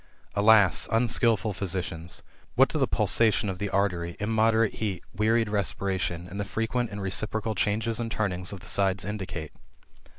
Alas ! unskilful physicians ! What do the pulsation of the artery, immoderate heat, wearied respiration, and the frequent and reciprocal changes and turnings of the side in dicate?